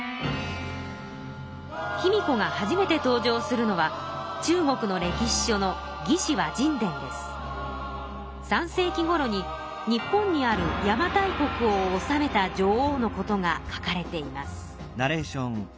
卑弥呼が初めて登場するのは中国の歴史書の３世紀ごろに日本にある邪馬台国を治めた女王のことが書かれています。